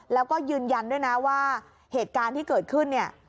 แล้วก็ยืนยันด้วยนะว่าเหตุการณ์ที่เกิดขึ้นเนี่ย